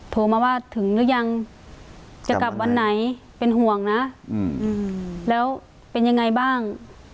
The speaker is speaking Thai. โทรมาว่าถึงหรือยังจะกลับวันไหนเป็นห่วงนะแล้วเป็นยังไงบ้าง